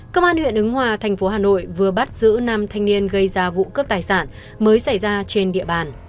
công an huyện ứng hòa thành phố hà nội vừa bắt giữ năm thanh niên gây ra vụ cướp tài sản mới xảy ra trên địa bàn